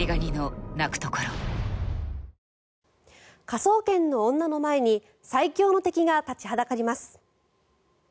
科捜研の女の前に最強の敵が立ちはだかります。